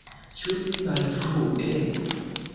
Ĉu ne malfrue?